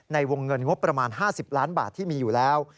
ในวงเงินงบประมาณ๕๐ล้านบาทที่มีอยู่แล้ว